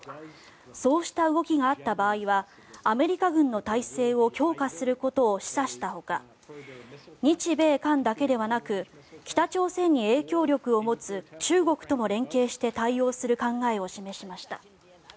そうした動きがあった場合はアメリカ軍の態勢を強化することを示唆したほか日米韓だけではなく北朝鮮に影響力を持つ中国とも連携して対応する考えを示しました。